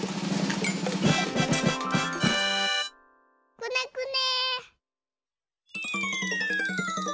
くねくね。